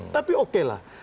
tapi oke lah